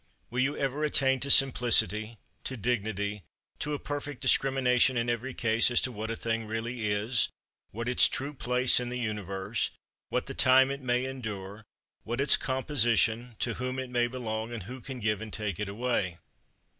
Will you ever attain to simplicity; to dignity; to a perfect discrimination in every case as to what a thing really is, what its true place in the Universe, what the time it may endure, what its composition, to whom it may belong, and who can give and take it away?